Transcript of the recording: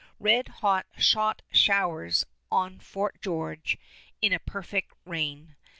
Red hot shot showers on Fort George in a perfect rain.